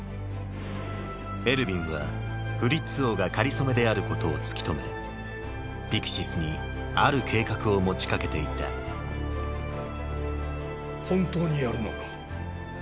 エルヴィンはフリッツ王がかりそめであることを突き止めピクシスにある計画を持ちかけていた本当にやるのか？